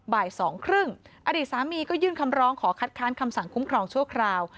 บ่ายสองครึ่งอดีตสามีก็ยื่นคำร้องขอคัดค้านคำสั่งคุ้มครองชั่วคราว